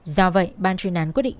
do vậy ban truyền án quyết định